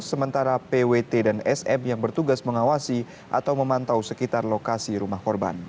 sementara pwt dan sm yang bertugas mengawasi atau memantau sekitar lokasi rumah korban